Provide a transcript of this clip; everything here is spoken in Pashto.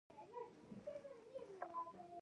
او خپل ابائي کلي زَړَه کښې خاورو ته اوسپارلے شو